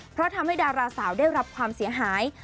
เพราะทำให้ดาราสาวได้รับความเสียหาย